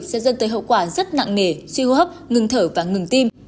sẽ dẫn tới hậu quả rất nặng nề suy hô hấp ngừng thở và ngừng tim